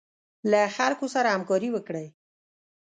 له خلکو سره همکاري وکړئ.